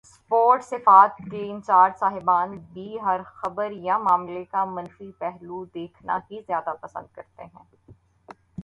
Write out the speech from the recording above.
Sports صفحات کے in charge صاحبان بھی ہر خبر یا معاملے کا منفی پہلو دیکھنا ہی زیادہ پسند کرتے ہیں۔